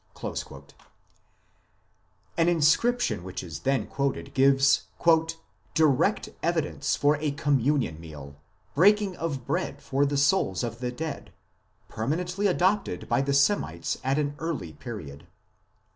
l An inscription which is then quoted gives " direct evidence for a communion meal, breaking of bread, for the souls of the dead, permanently adopted by the Semites at any early period."